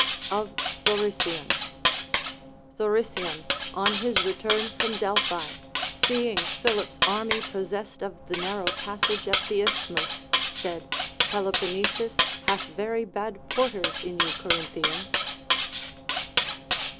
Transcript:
Of Thorycion. Thorycion on his return from Delphi, seeing Philip's army possessed of the narrow passage at the Isthmus, said, Peloponnesus hath very bad porters in you Corinthians.